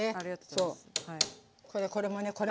それでこれもね